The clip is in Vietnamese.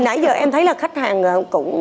nãy giờ em thấy là khách hàng